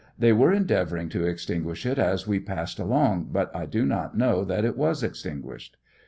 They were endeavoring to extinguish it as we passed along, but I do not know that it was extin guished.